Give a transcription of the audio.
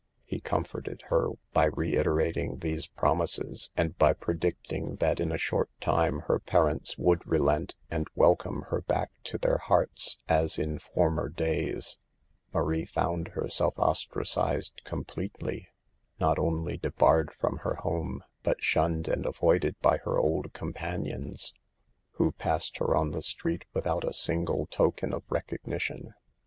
He comforted her by reitera ting these promises, and by predicting that in a short time her parents would relent and wel THE EVILS OF I)ANCING. come her back to their hearts as in former days. Marie found herself ostracised com pletely, not only debarred from her home, but shunned and avoided by her old companions, who passed her on the street without a single token of recognition.